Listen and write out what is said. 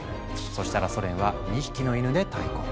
そしたらソ連は２匹のイヌで対抗。